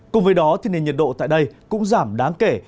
cùng với đó thì nền nhiệt độ tại đây cũng giảm đáng kể